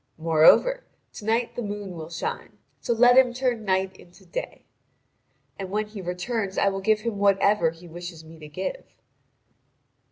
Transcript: Moreover, to night the moon will shine; so let him turn night into day. And when he returns I will give him whatever he wishes me to give."